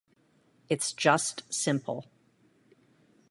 It's just simple.